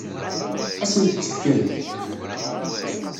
Ad sent-tt-fkent?